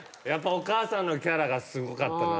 お母さんのキャラがすごかったな。